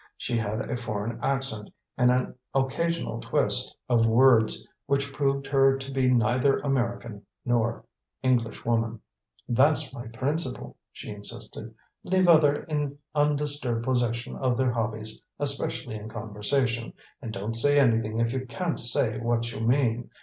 She had a foreign accent, and an occasional twist of words which proved her to be neither American nor Englishwoman. "That's my principle," she insisted. "Leave other people in undisturbed possession of their hobbies, especially in conversation, and don't say anything if you can't say what you mean.